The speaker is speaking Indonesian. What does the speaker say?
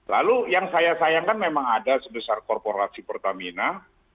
lalu yang saya sayangkan memang ada sebesar korporasi pertamina